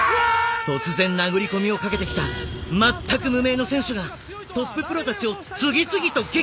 突然殴り込みをかけてきた全く無名の選手がトッププロたちを次々と撃破！